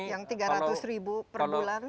yang tiga ratus ribu per bulan